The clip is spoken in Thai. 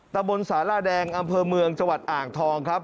ตะบนสาราแดงอำเภอเมืองจังหวัดอ่างทองครับ